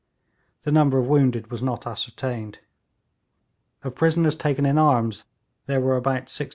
The number of wounded was not ascertained; of prisoners taken in arms there were about 1600.